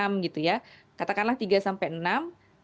artinya satu daerah pemilihan itu artinya satu partai politik